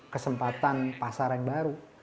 kesempatan pasar yang baru